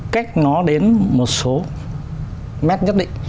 cách nó đến một số mét nhất định